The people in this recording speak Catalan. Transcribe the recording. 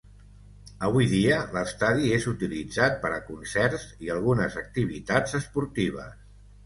Avui dia l'estadi és utilitzat per a concerts i algunes activitats esportives.